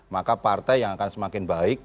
maka partai yang akan semakin baik